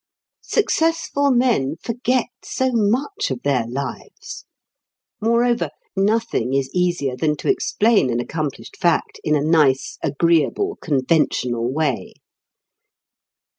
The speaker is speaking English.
Successful men forget so much of their lives! Moreover, nothing is easier than to explain an accomplished fact in a nice, agreeable, conventional way.